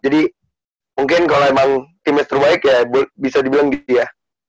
jadi mungkin kalo emang teammates terbaik ya bisa dibilang gitu ya